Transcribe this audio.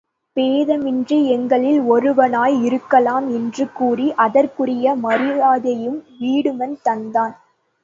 பேத மின்றி எங்களில் ஒருவனாய் இருக்கலாம் என்று கூறி அதற்குரிய மரியாதையையும் வீடுமன் தந்தான்.